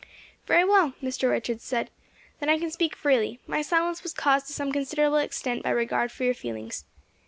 "Very well," Mr. Richards said, "then I can speak freely; my silence was caused to some considerable extent by regard for your feelings.